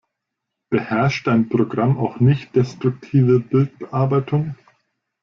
Beherrscht dein Programm auch nichtdestruktive Bildbearbeitung?